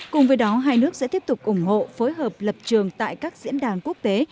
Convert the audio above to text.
cùng với đó hai nước sẽ tiếp tục ủng hộ phối hợp lập trường tại các diễn đàn quốc tế